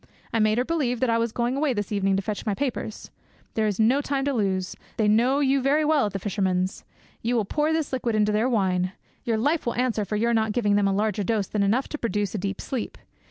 I made her believe that I was going away this evening to fetch my papers. There is no time to lose. They know you very well at the fisherman's. You will pour this liquid into their wine; your life will answer for your not giving them a larger dose than enough to produce a deep sleep.